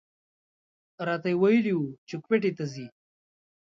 راته ویلي و چې کویټې ته ځي.